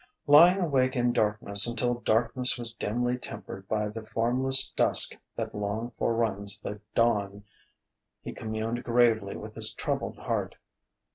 Lying awake in darkness until darkness was dimly tempered by the formless dusk that long foreruns the dawn, he communed gravely with his troubled heart.